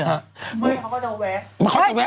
หรือเขาก็จะแวะ